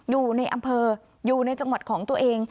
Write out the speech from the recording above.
อยู่ในอำเภออยู่ในจังหวัดของตัวเอง